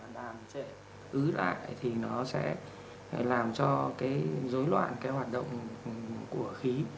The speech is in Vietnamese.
đàm chế ứ lại thì nó sẽ làm cho cái dối loạn cái hoạt động của khí